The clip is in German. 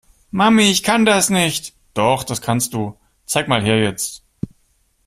Mami, ich kann das nicht. Doch, das kannst du. Zeig mal her jetzt.